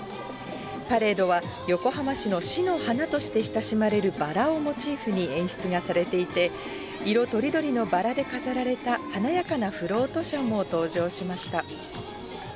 パレードは横浜市の市の花として親しまれるバラをモチーフに演出がされていて、色とりどりのバラで飾られた華やかなフロート車も登場しました。